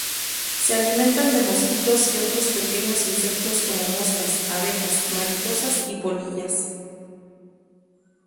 Se alimentan de mosquitos y otros pequeños insectos como moscas, abejas, mariposas y polillas.